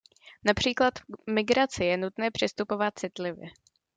Například k migraci je nutné přistupovat citlivě.